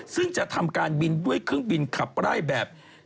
ซึ่งจะทำการบินด้วยเครื่องบินขับไล่แบบ